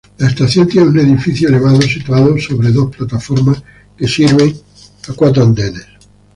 La estación tiene un edificio elevado situado sobre dos plataformas que sirve cuatro andenes.